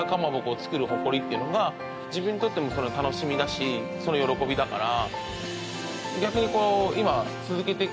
自分にとっても楽しみだし喜びだから。